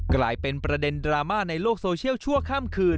กลายเป็นประเด็นดราม่าในโลกโซเชียลชั่วข้ามคืน